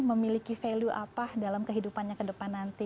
memiliki value apa dalam kehidupannya ke depan nanti